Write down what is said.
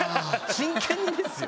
真剣にですよ。